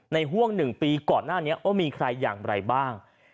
ห่วง๑ปีก่อนหน้านี้ว่ามีใครอย่างไรบ้าง